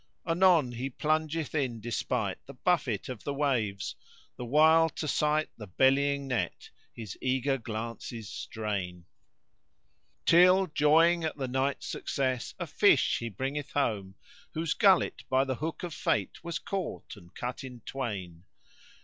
Anon he plungeth in despite the buffet of the waves * The while to sight the bellying net his eager glances strain; Till joying at the night's success, a fish he bringeth home * Whose gullet by the hook of Fate was caught and cut in twain.